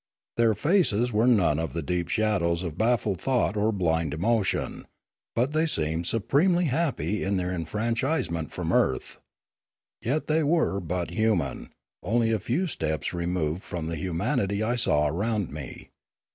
In their faces were none of the deep shadows of baffled thought or blind emotion, but they seemed supremely happy in their enfranchise Their Heaven and their Hell 235 ment from earth. Yet they were but human, only a few steps removed from the humanity I saw around me.